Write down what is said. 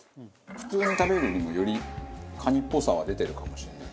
普通に食べるよりもよりカニっぽさは出てるかもしれない。